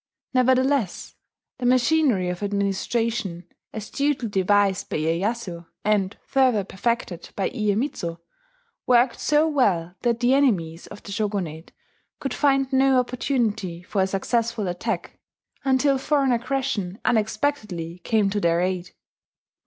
Nevertheless the machinery of administration, astutely devised by Iyeyasu, and further perfected by Iyemitsu, worked so well that the enemies of the Shogunate could find no opportunity for a successful attack until foreign aggression unexpectedly came to their aid.